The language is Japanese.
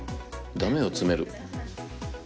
ダメを詰める。